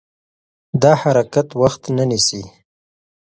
دا حرکت وخت نه نیسي.